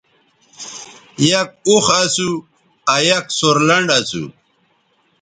یک اوخ اسو آ یک سورلنڈ اسو